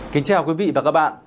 kính chào quý vị và các bạn